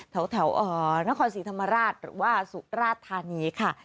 แถวนครศรีธรรมราชหรือว่าสุราธานีค่ะ